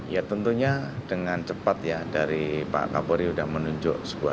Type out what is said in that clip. ya tentunya dengan cepat ya dari pak kapolri sudah menunjuk sebuah